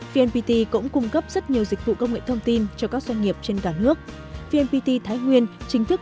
vnpt cũng cung cấp rất nhiều dịch vụ công nghệ thông tin cho các doanh nghiệp trên cả nước